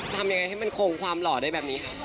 ทำยังไงให้มันคงความหล่อได้แบบนี้ค่ะ